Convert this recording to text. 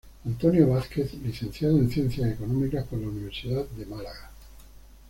Antonio Vázquez, licenciado en Ciencias Económicas por la Universidad de Málaga.